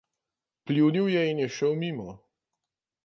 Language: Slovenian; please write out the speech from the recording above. Pljunil je in je šel mimo.